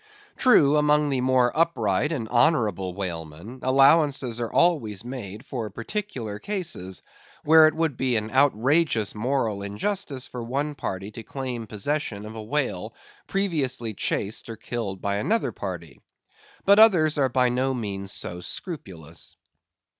True, among the more upright and honorable whalemen allowances are always made for peculiar cases, where it would be an outrageous moral injustice for one party to claim possession of a whale previously chased or killed by another party. But others are by no means so scrupulous.